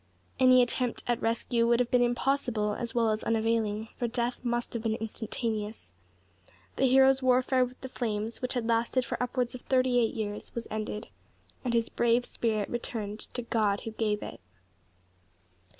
Any attempt at rescue would have been impossible as well as unavailing, for death must have been instantaneous. The hero's warfare with the flames, which had lasted for upwards of thirty eight years, was ended; and his brave spirit returned to God Who gave it.